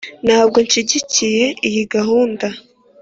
ntabwo nshyigikiye iyi gahunda.